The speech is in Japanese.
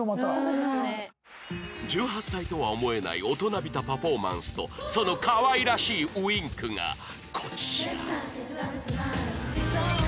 １８歳とは思えない大人びたパフォーマンスとそのかわいらしいウインクがこちら